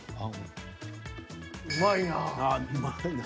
うまいな。